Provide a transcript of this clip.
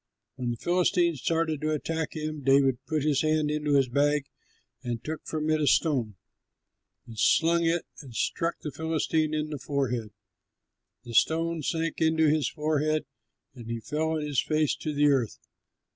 When the Philistine started to attack him, David put his hand into his bag and took from it a stone, and slung it and struck the Philistine in the forehead. The stone sank into his forehead, and he fell on his face to the earth.